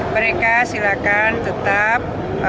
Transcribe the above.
mereka silakan tetap